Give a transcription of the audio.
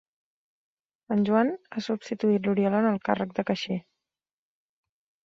En Joan ha substituït l'Oriol en el càrrec de caixer.